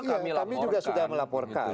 iya kami juga sudah melaporkan